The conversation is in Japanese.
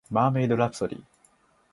マーメイドラプソディ